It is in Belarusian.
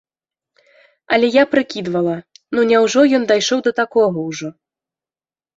Але я прыкідвала, ну няўжо ён дайшоў да такога ўжо?